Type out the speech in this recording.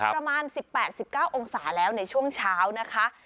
ประมาณ๑๘๑๙องศาแล้วในช่วงเช้านะคะ